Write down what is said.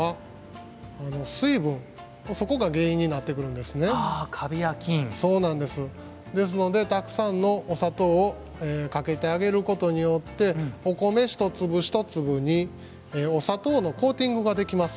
ですのでたくさんのお砂糖をかけてあげることによってお米一粒一粒にお砂糖のコーティングができます。